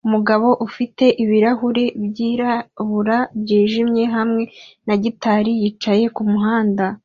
Umugabo ufite ibirahuri byirabura byijimye hamwe na gitari yicaye kumuhanda